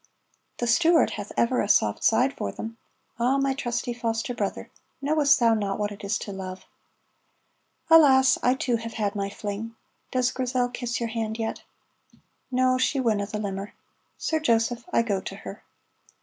"The Stuart hath ever a soft side for them. Ah, my trusty foster brother, knowest thou not what it is to love?" "Alas, I too have had my fling. (Does Grizel kiss your hand yet?)" "(No, she winna, the limmer.) Sir Joseph, I go to her."